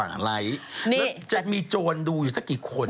เพราะจะมีโจรดูอยู่สักกี่คนนะครับอีก